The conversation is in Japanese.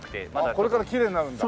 これからきれいになるんだ。